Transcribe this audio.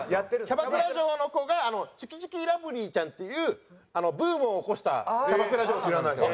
キャバクラ嬢の子が「ちゅきちゅきラブリーちゃん」っていうブームを起こしたキャバクラ嬢さんなんですよ。